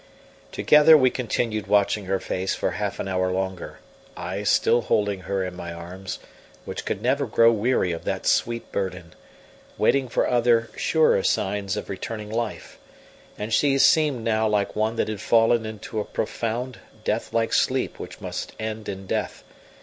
Together we continued watching her face for half an hour longer, I still holding her in my arms, which could never grow weary of that sweet burden, waiting for other, surer signs of returning life; and she seemed now like one that had fallen into a profound, death like sleep which must end in death.